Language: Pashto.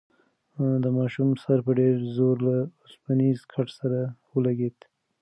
د ماشوم سر په ډېر زور له اوسپنیز کټ سره ولگېد.